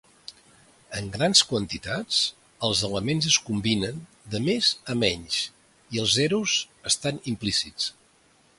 En grans quantitats, els elements es combinen de més a menys i els zeros estan implícits.